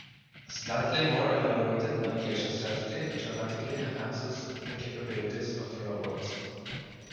A slightly more elaborated navigation strategy dramatically enhances the capabilities of the robot.